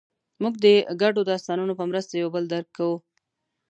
موږ د ګډو داستانونو په مرسته یو بل درک کوو.